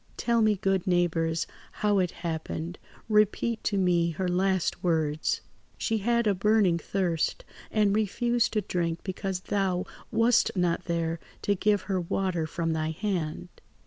"Tell me, good neighbours, how it happened; repeat to me her last words. "She had a burning thirst, and refused to drink because thou wast not there to give her water from thy hand.